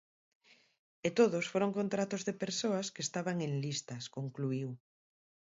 "E todos foron contratos de persoas que estaban en listas", concluíu.